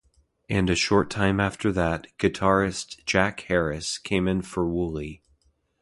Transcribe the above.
And a short time after that, guitarist Jack Harris came in for Woolley.